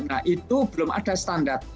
nah itu belum ada standar